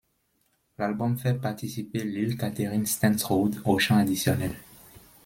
L'album fait participer Lill Katherine Stensrud au chant additionnel.